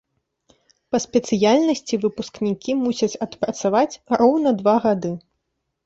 Па спецыяльнасці выпускнікі мусяць адпрацаваць роўна два гады.